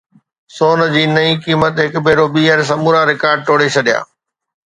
سون جي نئين قيمت هڪ ڀيرو ٻيهر سمورا رڪارڊ ٽوڙي ڇڏيا